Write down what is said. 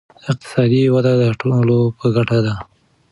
اقتصادي وده د ټولو په ګټه ده.